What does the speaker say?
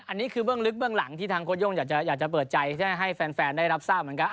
อันนี้คือเบื้องลึกเบื้องหลังที่ทางโค้โย่งอยากจะเปิดใจให้แฟนได้รับทราบเหมือนกัน